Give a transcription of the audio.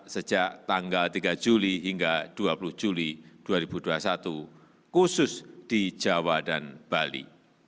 sejak tanggal tiga juli hingga dua puluh juli dua ribu dua puluh satu khusus di jawa dan bali